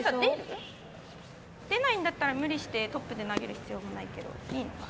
出ないんだったら、無理してトップで投げる必要もないけど。